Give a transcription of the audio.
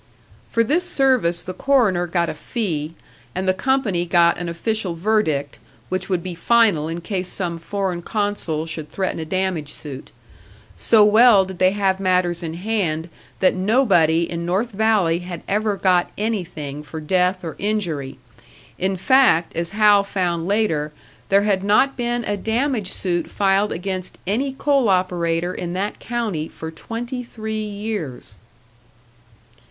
For this service the coroner got a fee, and the company got an official verdict, which would be final in case some foreign consul should threaten a damage suit. So well did they have matters in hand that nobody in North Valley had ever got anything for death or injury; in fact, as Hal found later, there had not been a damage suit filed against any coal operator in that county for twenty three years!